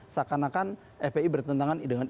seakan akan fpi bertentangan dengan